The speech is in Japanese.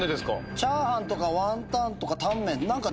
チャーハンワンタンタンメン